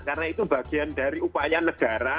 karena itu bagian dari upaya negara